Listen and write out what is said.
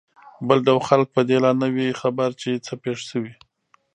بل ډول خلک په دې لا نه وي خبر چې څه پېښ شوي.